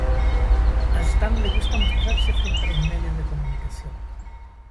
A Stan le gusta mostrarse frente a los medios de comunicación.